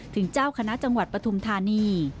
ถึงเจ้าคณะจังหวัดปฐุมธานี